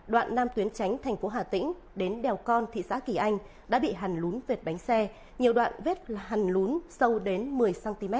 đoạn nam tuyến tránh thành phố hà tĩnh đến đèo con thị xã kỳ anh đã bị hàn lún vệt bánh xe nhiều đoạn vết làn lún sâu đến một mươi cm